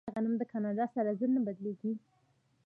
آیا غنم د کاناډا سره زر نه بلل کیږي؟